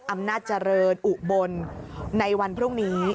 อำนาจเจริญอุบลในวันพรุ่งนี้